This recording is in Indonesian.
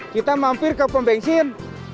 kita mampir ke pom bensin